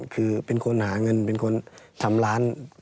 คือเป็นคนหาเงินเป็นคนทำร้าน